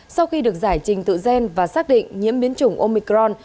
sau khi được giải trình tự gen và xác định nhiễm biến chủng omicron